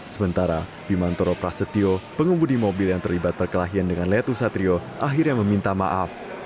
sementara bimantoro prasetyo pengemudi mobil yang terlibat perkelahian dengan letu satrio akhirnya meminta maaf